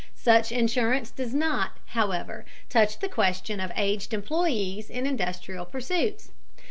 Such insurance does not, however, touch the question of aged employees in industrial pursuits.